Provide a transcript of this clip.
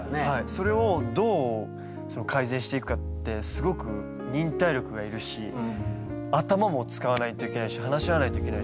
それをどう改善していくかってすごく忍耐力がいるし頭も使わないといけないし話し合わないといけないし。